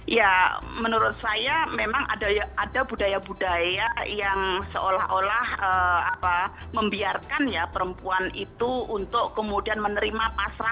ya menurut saya memang ada budaya budaya yang seolah olah membiarkan ya perempuan itu untuk kemudian menerima pasrah